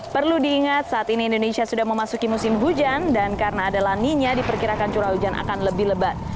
perlu diingat saat ini indonesia sudah memasuki musim hujan dan karena ada laninya diperkirakan curah hujan akan lebih lebat